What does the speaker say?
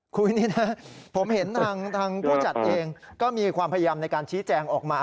คุยนี่นะผมเห็นทางผู้จัดเองก็มีความพยายามในการชี้แจงออกมา